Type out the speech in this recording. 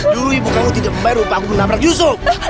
dulu ibu kamu tidak membayar upah aku nabrak yusuf